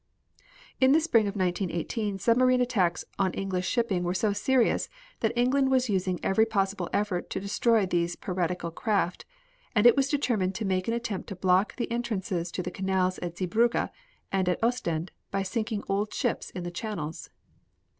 In the spring of 1918 submarine attacks on English shipping were so serious that England was using every possible effort to destroy these piratical craft, and it was determined to make an attempt to block the entrances to the canals at Zeebrugge and at Ostend, by sinking old ships in the channels.